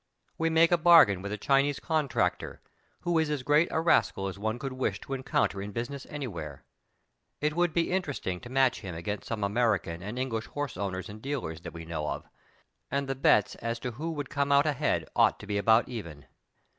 We make a bargain with a Chinese con tractor, who is as great a rascal as one could wish to encounter in business anywhere ; it would be interesting to match him against some American and English horse owners and dealers that we know of, and the bets as to who would come out ahead ought to be about even.